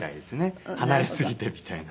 離れすぎてみたいな。